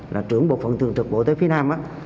là trưởng bộ phận thường trực bộ y tế phía nam á